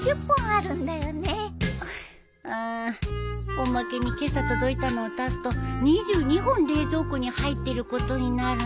おまけに今朝届いたのを足すと２２本冷蔵庫に入ってることになるね。